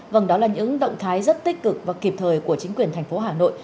vâng đó là những động thái rất tích cực và kịp thời của chính quyền thành phố hà nội